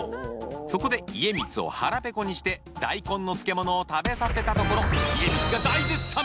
そこで家光を腹ぺこにして大根の漬物を食べさせたところ家光が大絶賛！